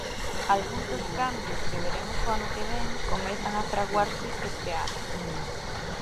Algún dos cambios que veremos o ano que vén comezan a fraguarse este ano.